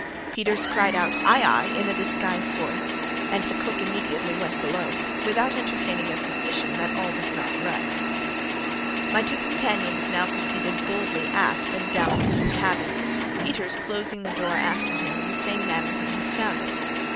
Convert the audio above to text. Peters cried out, "Ay, ay," in a disguised voice, and the cook immediately went below, without entertaining a suspicion that all was not right. My two companions now proceeded boldly aft and down into the cabin, Peters closing the door after him in the same manner he had found it.